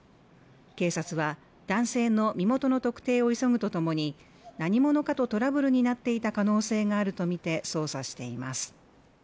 警察は男性の身元の特定を急ぐとともに何者かとトラブルになっていた可能性があるとみて捜査しています